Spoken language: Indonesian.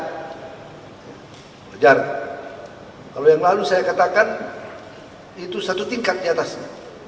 wajar kalau yang lalu saya katakan itu satu tingkat diatasnya